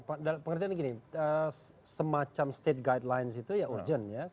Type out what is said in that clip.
pengertiannya gini semacam state guidelines itu ya urgent ya